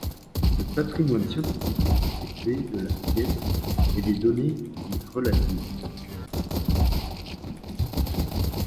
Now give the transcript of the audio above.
Le patrimoine scientifique est constitué de la pièce et des données y relatives.